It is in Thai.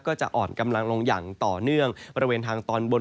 ก็จะอ่อนกำลังลงอย่างต่อเนื่อง